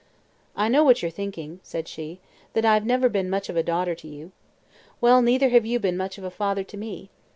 "I know what you're thinking," said she; "that I've never been much of a daughter to you. Well, neither have you been much of a father to me.